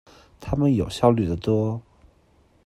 他們有效率的多